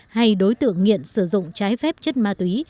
hay đối tượng nghiện sử dụng trái phép chất ma túy